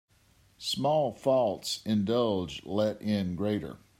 Small faults indulged let in greater.